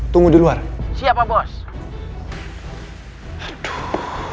tunggu di luar siapa bos